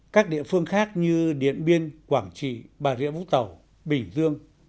các địa phương khác như điện biên quảng trị bà rịa vũng tàu bình dương